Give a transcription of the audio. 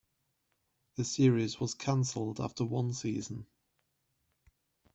The series was canceled after one season.